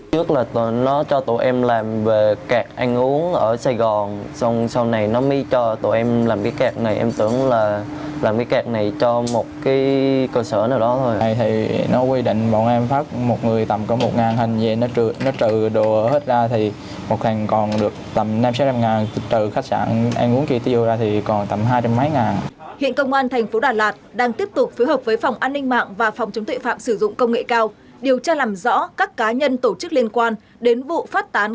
xác định đây là hành vi lừa đảo mới nên công an tp đà lạt tỉnh lâm đồng phối hợp với phòng an ninh phạm công nghệ cao trung tâm hành chính tỉnh lâm đồng phối hợp với phòng chống tuệ phạm công nghệ cao truy tìm những người phát tán